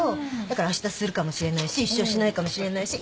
だからあしたするかもしれないし一生しないかもしれないし。